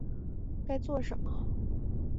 该做什么